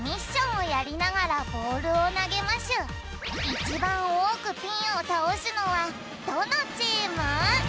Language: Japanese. いちばんおおくピンをたおすのはどのチーム？